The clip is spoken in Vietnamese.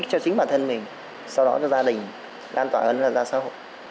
ích cho chính bản thân mình sau đó cho gia đình đan tỏa ấn là gia sâu